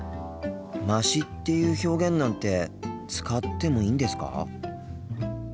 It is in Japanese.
「まし」っていう表現なんて使ってもいいんですか？